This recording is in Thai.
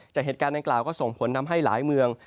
จากเหตุการณ์ดังกล่าวก็ส่งผลทำให้หลายเมือง